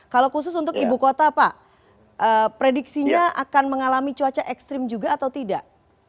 kalau khusus untuk ibu kota pak prediksinya akan mengalami cuaca ekstrim juga atau tidak